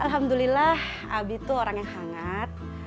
alhamdulillah abi itu orang yang hangat